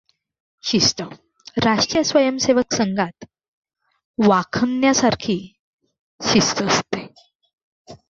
शिस्त राष्ट्रीय स्वयंसेवक संघात वाखाणण्यासारखी शिस्त असते.